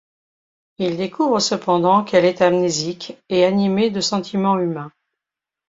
Il découvre cependant qu'elle est amnésique et animée de sentiments humains.